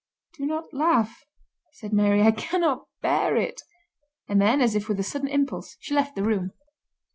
"Do not laugh," said Mary, "I cannot bear it," and then, as if with a sudden impulse, she left the room.